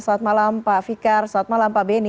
selamat malam pak fikar selamat malam pak benny